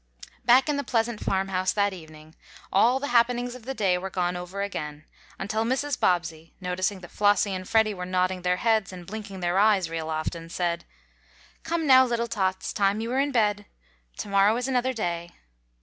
Back in the pleasant farmhouse that evening all the happenings of the day were gone over again, until Mrs. Bobbsey, noticing that Flossie and Freddie were nodding their heads, and blinking their eyes real often, said: "Come now, little tots, time you were in bed. To morrow is another day."